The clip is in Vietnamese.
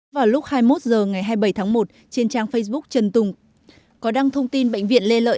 vào lúc hai mươi một h ngày hai mươi bảy tháng một trên trang facebook trần tùng có đăng thông tin bệnh viện lê lợi